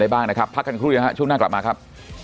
บ้างนะครับพักกันครู่เดียวฮะช่วงหน้ากลับมาครับ